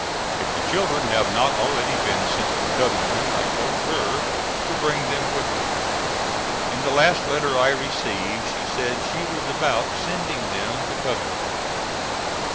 If the children have not already been sent to Covington I told her to bring them with her. In the last letter I received she said she was about sending them to Covington.